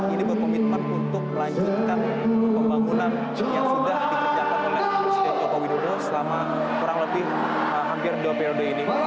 ini berkomitmen untuk melanjutkan pembangunan yang sudah dikerjakan oleh presiden joko widodo selama kurang lebih hampir dua periode ini